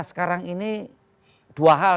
sekarang ini dua hal